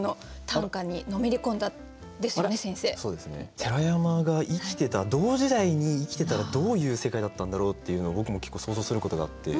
寺山が生きてた同時代に生きてたらどういう世界だったんだろうっていうのは僕も結構想像することがあって。